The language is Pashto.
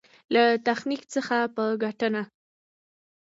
له تخنيک څخه په ګټنه.